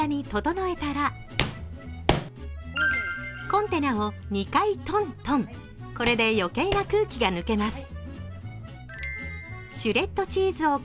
コンテナを２回、とんとん、これで余計な空気が抜けます。